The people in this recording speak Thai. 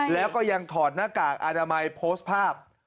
แล้วก็ยังถอดหน้ากากอนามัยโพสต์ภาพ